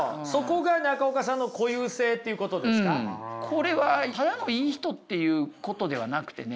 これはただのいい人っていうことではなくてね